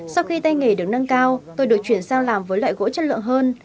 sau khi tay nghề được nâng cao tôi được chuyển sang làm với loại gỗ chất lượng hơn